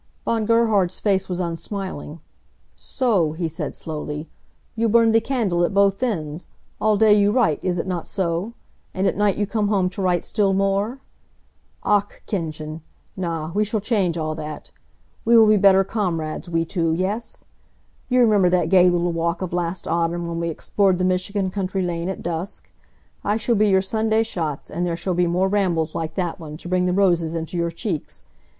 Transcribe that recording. Von Gerhard's face was unsmiling. "So," he said, slowly. "You burn the candle at both ends. All day you write, is it not so? And at night you come home to write still more? Ach, Kindchen! Na, we shall change all that. We will be better comrades, we two, yes? You remember that gay little walk of last autumn, when we explored the Michigan country lane at dusk? I shall be your Sunday Schatz, and there shall be more rambles like that one, to bring the roses into your cheeks.